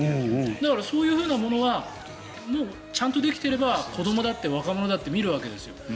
だからそういうものはちゃんとできていれば子どもだって若者だって見るわけですよ。